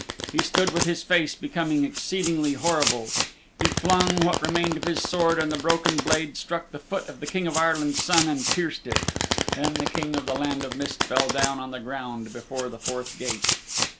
He stood with his face becoming exceedingly terrible. He flung what remained of his sword, and the broken blade struck the foot of the King of Ireland's Son and pierced it. Then the King of the Land of Mist fell down on the ground before the fourth gate.